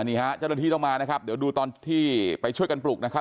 นี่ฮะเจ้าหน้าที่ต้องมานะครับเดี๋ยวดูตอนที่ไปช่วยกันปลุกนะครับ